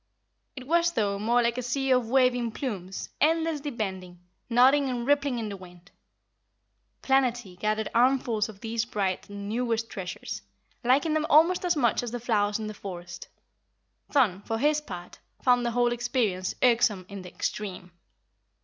It was, though, more like a sea of waving plumes, endlessly bending, nodding and rippling in the wind. Planetty gathered armfuls of these bright and newest treasures, liking them almost as much as the flowers in the forest. Thun, for his part, found the whole experience irksome in the extreme.